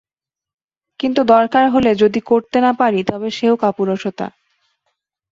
কিন্তু দরকার হলে যদি করতে না পারি তবে সেও কাপুরুষতা।